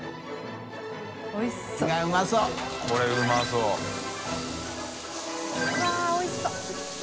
うわっおいしそう！